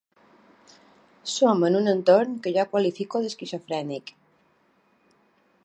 Som en un entorn que jo qualifico d’esquizofrènic.